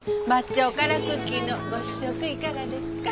抹茶おからクッキーのご試食いかがですか？